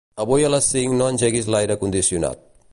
Avui a les cinc no engeguis l'aire condicionat.